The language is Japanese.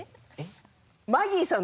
マギーさん